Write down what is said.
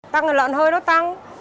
tăng lợn hơi nó tăng